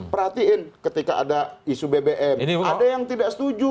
perhatiin ketika ada isu bbm ada yang tidak setuju